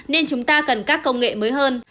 nên chúng ta cần các công nghệ mới hơn